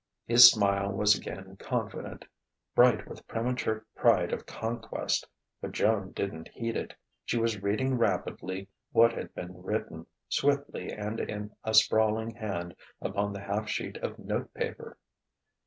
His smile was again confident, bright with premature pride of conquest. But Joan didn't heed it. She was reading rapidly what had been written, swiftly and in a sprawling hand, upon the half sheet of note paper.